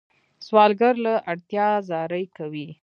سوالګر له اړتیا زاری کوي